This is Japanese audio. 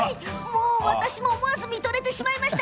私も思わず見とれてしまいました。